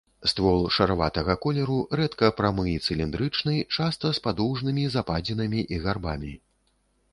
Ствол шараватага колеру рэдка прамы і цыліндрычны, часта з падоўжнымі западзінамі і гарбамі.